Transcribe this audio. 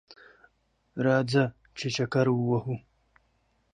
راځه ! چې چکر ووهو